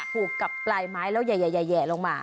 ผูกกับปลายไม้แล้วแย่ลงมา